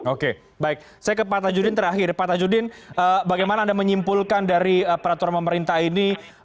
oke baik saya ke pak tajudin terakhir pak tajudin bagaimana anda menyimpulkan dari peraturan pemerintah ini